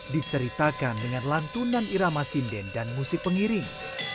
diceritakan dengan lantunan irama sinden dan musik pengiring